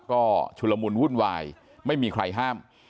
ก็ชุลมุนวุ่นวายไม่มีใครห้าม